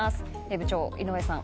部長の井上さん